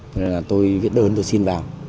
thế là tôi viết đơn tôi xin vào